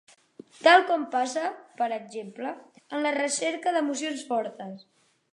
Tal com passa, per exemple, en la recerca d'emocions fortes.